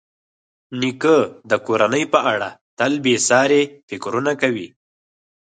نیکه د کورنۍ په اړه تل بېساري فکرونه کوي.